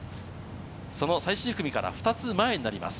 最終組から２つ前になります。